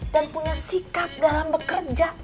dan punya sikap dalam bekerja